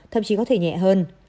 thậm chí có thể nhẹ hơn